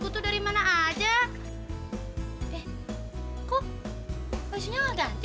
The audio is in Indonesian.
terima kasih abah